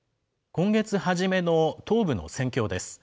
今月初めの東部の戦況です。